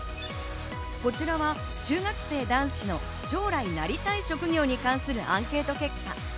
こちらは中学生男子の将来なりたい職業に関するアンケート結果。